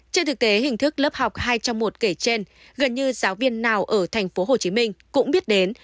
trên thực tế hình thức lớp học hai trong một kể trên gần như giáo viên nào ở tp hcm cũng biết đến